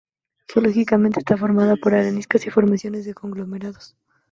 Geológicamente, está formada por areniscas y formaciones de conglomerados.